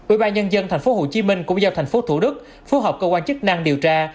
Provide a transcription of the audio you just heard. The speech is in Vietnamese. ubnd tp hcm cũng giao tp thủ đức phú hợp cơ quan chức năng điều tra